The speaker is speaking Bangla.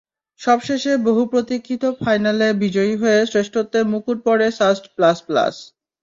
সবশেষে বহু প্রতীক্ষিত ফাইনালে বিজয়ী হয়ে শ্রেষ্ঠত্বের মুকুট পড়ে সাস্ট প্লাস প্লাস।